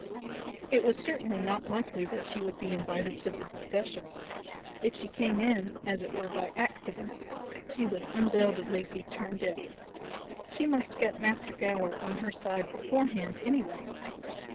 It was certainly not likely that she would be invited to the discussion. If she came in, as it were by accident, she would undoubtedly be turned out. She must get Master Gower on her side beforehand anyway.